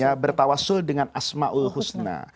ya bertawassul dengan asmaul husna